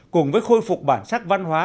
cùng với khôi phục bản sắc văn hóa